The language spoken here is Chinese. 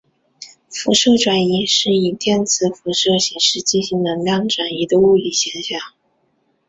辐射转移是以电磁辐射形式进行能量转移的物理现象。